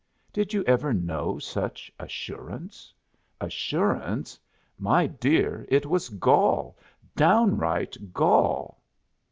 Did you ever know such assurance? Assurance? My dear, it was gall, downright _gall!